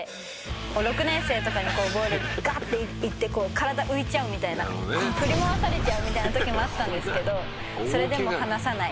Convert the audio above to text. ６年生とかにこうボールガッていって体浮いちゃうみたいな振り回されちゃうみたいな時もあったんですけどそれでも離さない！